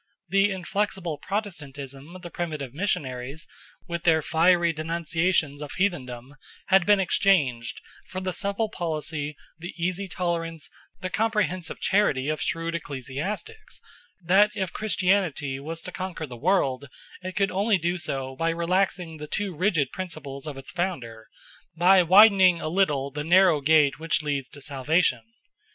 The inflexible Protestantism of the primitive missionaries, with their fiery denunciations of heathendom, had been exchanged for the supple policy, the easy tolerance, the comprehensive charity of shrewd ecclesiastics, who clearly perceived that if Christianity was to conquer the world it could do so only by relaxing the too rigid principles of its Founder, by widening a little the narrow gate which leads to salvation.